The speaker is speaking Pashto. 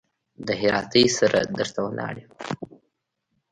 د هراتۍ سره در ته ولاړ يم.